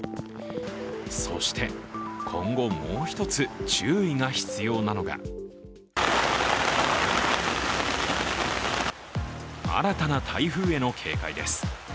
そして今後もう一つ、注意が必要なのが新たな台風への警戒です。